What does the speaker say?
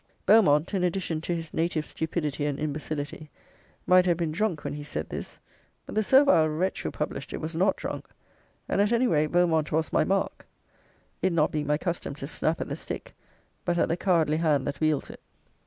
Beaumont, in addition to his native stupidity and imbecility, might have been drunk when he said this, but the servile wretch who published it was not drunk; and, at any rate, Beaumont was my mark, it not being my custom to snap at the stick, but at the cowardly hand that wields it.